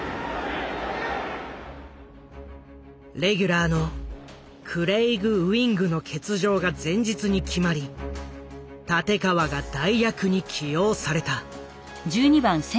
レギュラーのクレイグ・ウィングの欠場が前日に決まり立川が代役に起用された。